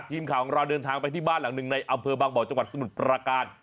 ทีมข่าวของเราเดินทางไปที่บ้านหลังหนึ่งในอำเภอบางบ่อจังหวัดสมุทรประการ